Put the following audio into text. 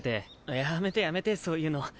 やめてやめてそういうの。